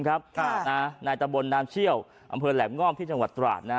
หน่ายตะบนนำเชี่ยวอำเภอแหลมง้อมชาวตราช